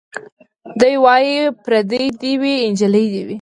دی وايي پرېدۍ دي وي نجلۍ دي وي